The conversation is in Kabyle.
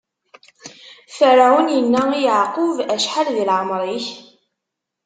Ferɛun inna i Yeɛqub: Acḥal di lɛemṛ-ik?